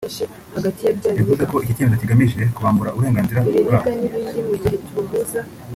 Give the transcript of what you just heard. yavuze ko iki cyemezo kigamije kubambura uburenganzira bwabo